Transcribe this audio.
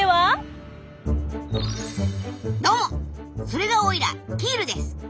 それがオイラ「キール」です。